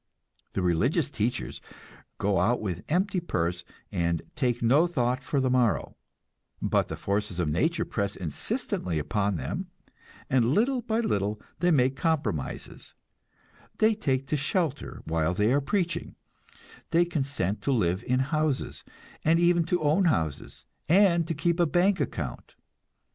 The religious teachers go out with empty purse, and "take no thought for the morrow"; but the forces of nature press insistently upon them, and little by little they make compromises, they take to shelter while they are preaching, they consent to live in houses, and even to own houses, and to keep a bank account.